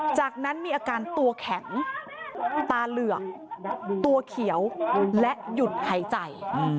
จากนั้นมีอาการตัวแข็งตาเหลือกตัวเขียวและหยุดหายใจ